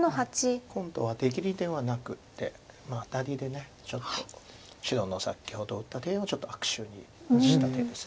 今度は出切りではなくってアタリでちょっと白の先ほど打った手を悪手にした手です。